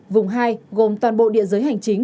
vùng hai gồm toàn bộ địa giới hành chính